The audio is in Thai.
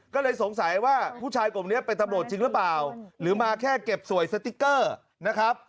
ก็เลยสงสัยว่าผู้ชายกลุ่มนี้เป็นตำรวจจริงหรือเปล่าหรือมาแค่เก็บสวยสติ๊กเกอร์นะครับ